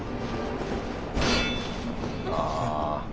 ああ。